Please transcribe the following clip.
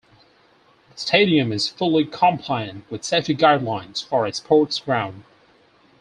The stadium is fully compliant with safety guidelines for a sports ground.